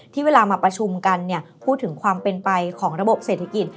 เวลามาประชุมกันพูดถึงความเป็นไปของระบบเศรษฐกิจ